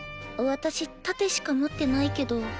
私盾しか持ってないけど。